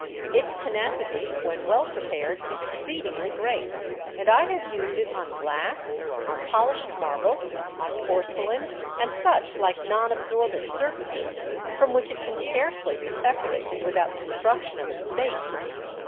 Its tenacity, when well prepared, is exceedingly great, and I have used it on glass, on polished marble, on porcelain, and such like non absorbent surfaces, from which it can scarcely be separated without destruction of its base.